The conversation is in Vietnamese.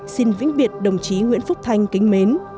xin vĩnh biệt đồng chí nguyễn phúc thanh kính mến